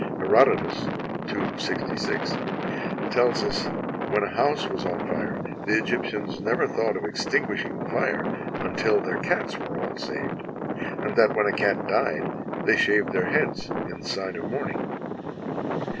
Herodotus (ii, 66) tells that when a house was on fire the Egyptians never thought of extinguishing the fire until their cats were all saved, and that when a cat died, they shaved their heads in sign of mourning.